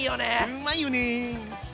うんまいよね。